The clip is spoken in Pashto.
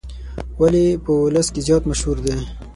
ولې په ولس کې زیات مشهور دی.